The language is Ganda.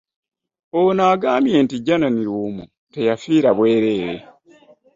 Ono agambye nti Janan Luwum teyafiira bwereere